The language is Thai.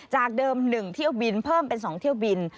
จากเดิม๑เที่ยวบินเพิ่มเป็น๒เที่ยวบิน